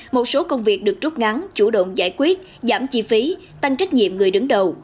một số công việc được trút ngắn chủ động giải quyết giảm chi phí tăng trách nhiệm người đứng đầu